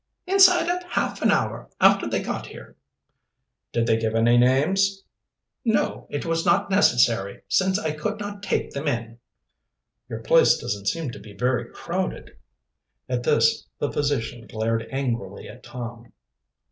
"Inside of half an hour after they got here." "Did they give any names?" "No. It was not necessary, since I could not take them in." "Your place doesn't seem to be very crowded." At this the physician glared angrily at Tom.